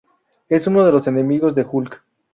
Es uno de los enemigos de Hulk.